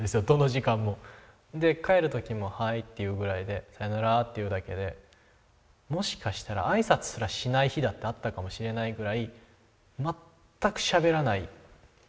どの時間も。で帰る時もハイっていうぐらいでさよならっていうだけでもしかしたら挨拶すらしない日だってあったかもしれないぐらい全くしゃべらない